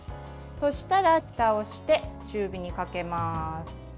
そしたら、ふたをして中火にかけます。